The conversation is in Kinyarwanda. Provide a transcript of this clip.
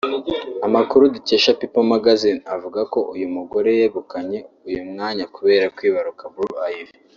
Amakuru dukesha people magazine avuga ko uyu mugore yegukanye uyu mwanya kubera kwibaruka Blue Ivy